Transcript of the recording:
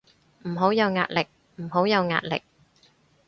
唔好有壓力，唔好有壓力